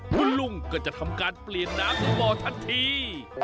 คุณลุงก็จะทำการเปลี่ยนน้ำของบ่อทันที